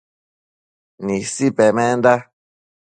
Nisi pemenda mado